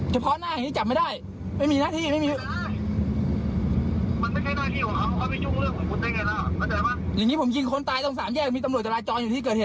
เฉพาะหน้าอย่างงี้จับไม่ได้ไม่มีหน้าที่